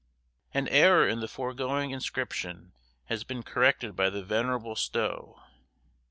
An error in the foregoing inscription has been corrected by the venerable Stow.